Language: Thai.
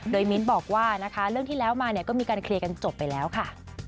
โดยมิ้นบอกว่านะคะเรื่องที่แล้วมาเนี่ยก็มีการเคลียร์กันจบไปแล้วค่ะ